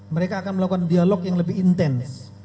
mereka akan melakukan dialog yang lebih intens